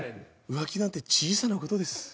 浮気なんて小さなことです